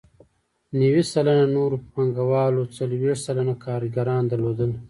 نوي سلنه نورو پانګوالو څلوېښت سلنه کارګران درلودل